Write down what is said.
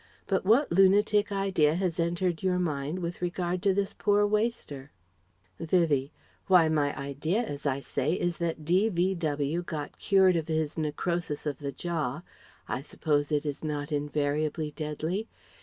But what lunatic idea has entered your mind with regard to this poor waster?" Vivie: "Why my idea, as I say, is that D.V.W. got cured of his necrosis of the jaw I suppose it is not invariably deadly?